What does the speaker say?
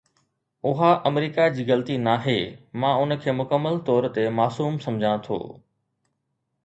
اها آمريڪا جي غلطي ناهي، مان ان کي مڪمل طور تي معصوم سمجهان ٿو